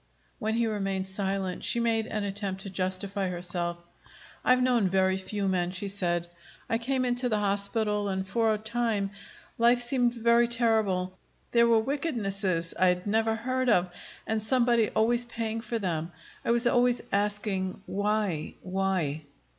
When he remained silent, she made an attempt to justify herself. "I'd known very few men," she said. "I came into the hospital, and for a time life seemed very terrible. There were wickednesses I had never heard of, and somebody always paying for them. I was always asking, Why? Why?